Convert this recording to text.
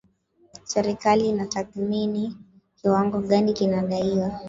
serikali inatathmini kiwango gani kinadaiwa